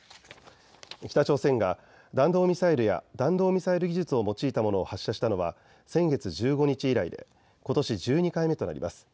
北朝鮮が弾道ミサイルや弾道ミサイル技術を用いたものを発射したのは先月１５日以来でことし１２回目となります。